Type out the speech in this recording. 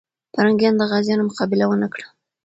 پرنګیان د غازيانو مقابله ونه کړه.